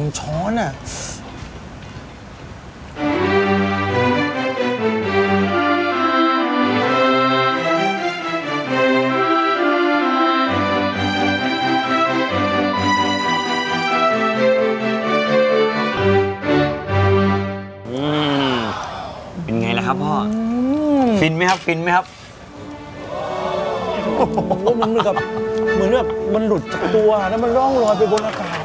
โอ้โหมึงมีแบบเหมือนแบบมันหลุดจากตัวแล้วมันร่องรอยไปบนอากาศ